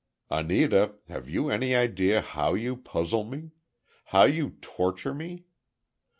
"Anita, have you any idea how you puzzle me? how you torture me?